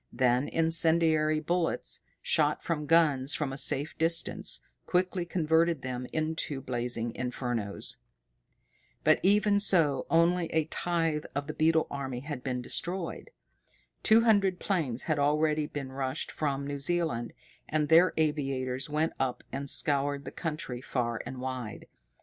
Then incendiary bullets, shot from guns from a safe distance, quickly converted them into blazing infernos. But even so only a tithe of the beetle army had been destroyed. Two hundred planes had already been rushed from New Zealand, and their aviators went up and scoured the country far and wide.